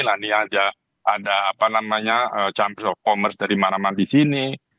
ada campers of commerce dari maraman di sini